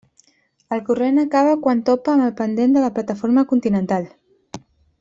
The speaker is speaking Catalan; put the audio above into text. El corrent acaba quan topa amb el pendent de la plataforma continental.